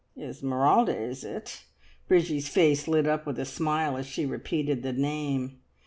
"Esmeralda, is it?" Bridgie's face lit up with a smile as she repeated the name.